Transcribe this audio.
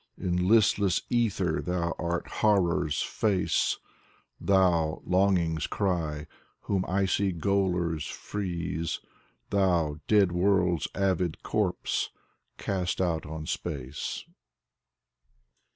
In listless ether thou art horror's face, Thou, longing's cry, whom icy gaolers freeze. Thou, dead world's avid corpse, cast out on space.